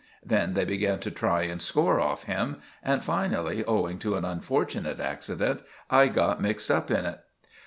Then they began to try and score off him, and finally, owing to an unfortunate accident, I got mixed up in it.